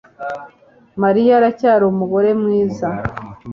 Mariya aracyari umugore mwiza